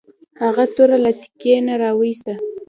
هغه توره له تیکي نه راویوسته.